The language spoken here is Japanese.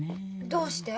どうして？